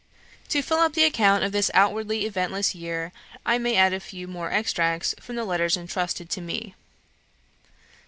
To fill up the account of this outwardly eventless year, I may add a few more extracts from the letters entrusted to me.